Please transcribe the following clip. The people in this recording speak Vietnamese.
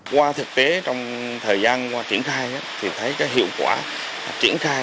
qua thực tế trong thời gian qua triển khai thì thấy cái hiệu quả triển khai